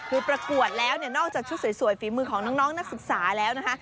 คือประกวดแล้วเนี่ยนอกจากชุดสวยฝีมือของน้องนักศึกษาแล้วนะคะ